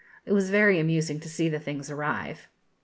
It was very amusing to see the things arrive.